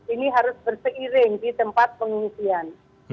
ini harus berseiring di tempat pengungsian